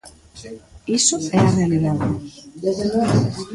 Iso é a realidade.